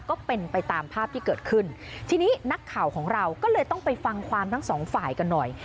ก็เป็นไปตามภาพที่เกิดขึ้นทีนี้นักข่าวของเราก็เลยต้องไปฟังความทั้งสองฝ่ายกันหน่อย